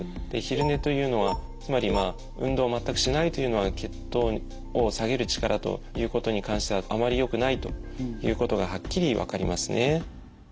で昼寝というのはつまりまあ運動を全くしないというのは血糖を下げる力ということに関してはあまりよくないということがはっきり分かりますね。